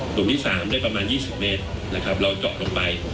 กลุ่มที่๓ได้ประมาณ๒๐เมตรนะครับเราเจาะลงไป